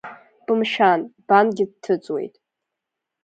Бымшәан, бангьы дҭыҵуеит.